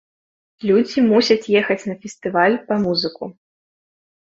Людзі мусяць ехаць на фестываль па музыку.